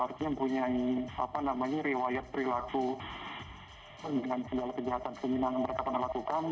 artinya mempunyai riwayat perilaku dengan segala kejahatan keinginan yang mereka pernah lakukan